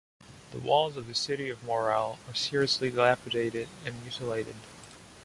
The walls of the city of Morell are seriously dilapidated and mutilated.